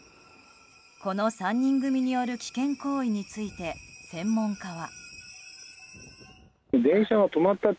この３人組による危険行為について専門家は。